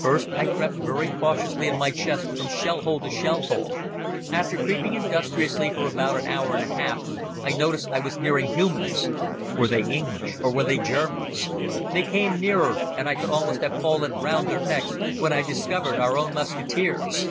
First I crept very cautiously on my chest from shell hole to shell hole. After creeping industriously for about an hour and a half I noticed I was nearing humans. Were they English or were they Germans? They came nearer and I could almost have fallen round their necks, when I discovered our own musketeers.